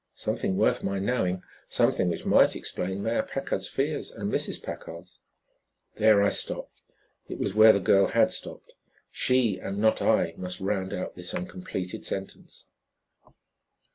Something worth my knowing; something which might explain Mayor Packard's fears and Mrs. Packard's There I stopped. It was where the girl had stopped. She and not I must round out this uncompleted sentence.